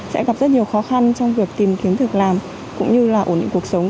sẽ gặp rất nhiều khó khăn trong việc tìm kiếm việc làm cũng như là ổn định cuộc sống